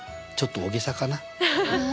ちょっと大げさかな？